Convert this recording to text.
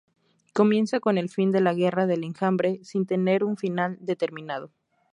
Comienza con el fin de la Guerra del Enjambre, sin tener un final determinado.